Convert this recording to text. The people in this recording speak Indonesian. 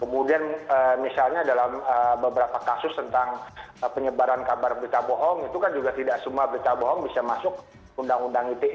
kemudian misalnya dalam beberapa kasus tentang penyebaran kabar berita bohong itu kan juga tidak semua berita bohong bisa masuk undang undang ite